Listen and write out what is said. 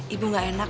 ibu gak enak